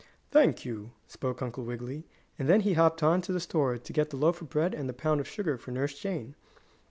"Thank you," spoke Uncle Wiggily, and then he hopped on to the store to get the loaf of bread and the pound of sugar for Nurse Jane.